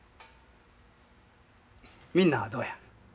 みんなはどうや？